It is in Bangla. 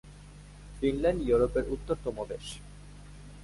ফিনল্যান্ড ইউরোপের উত্তরতম দেশ।